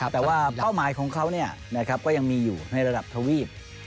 แต่ว่าเป้าหมายของเขาก็ยังมีอยู่ในระดับทวีป